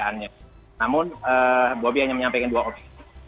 namun bobi hanya menyampaikan dua opsi